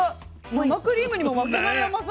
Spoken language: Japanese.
生クリームにも負けない甘さ。